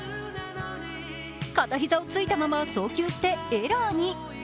片膝をついたまま送球してエラーに。